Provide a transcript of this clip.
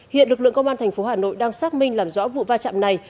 hiện lực lượng công an tp hà nội đang xác minh làm rõ vụ va chạm này